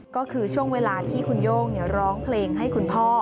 ก็คือช่วงเวลาที่คุณโย่งร้องเพลงให้คุณพ่อ